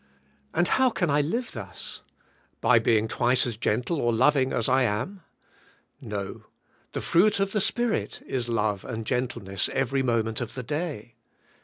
And how can I live thus? By being twice as gentle or loving as I am? No! The fruit of the Spirit is love and gentleness every moment of the day.